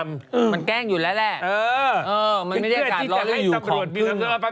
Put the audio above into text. มันแกล้งอยู่แล้วแหละมันไม่ได้อากาศร้อนให้อยู่ขอดบิว